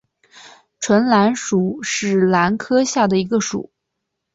唇兰属是兰科下的一个属。